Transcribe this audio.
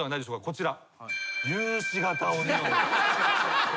こちら。